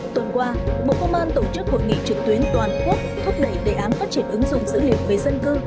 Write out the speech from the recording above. tuần qua bộ công an tổ chức hội nghị trực tuyến toàn quốc thúc đẩy đề án phát triển ứng dụng dữ liệu về dân cư